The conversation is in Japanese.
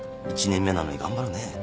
１年目なのに頑張るね